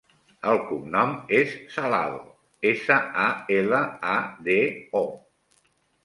El cognom és Salado: essa, a, ela, a, de, o.